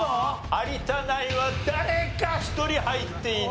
有田ナインは誰か１人入っていないと